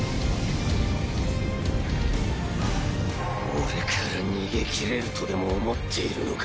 俺から逃げきれるとでも思っているのか